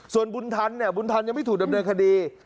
ส่วนบุญธรรมเนี่ยบุญธรรมยังไม่ถูกดำเนินคดี